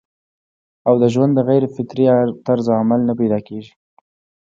او د ژوند د غېر فطري طرز عمل نه پېدا کيږي